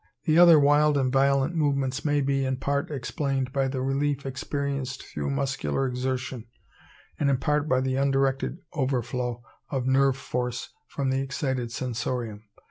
The other wild and violent movements may be in part explained by the relief experienced through muscular exertion, and in part by the undirected overflow of nerve force from the excited sensorium.